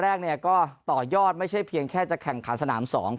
แรกเนี่ยก็ต่อยอดไม่ใช่เพียงแค่จะแข่งขันสนาม๒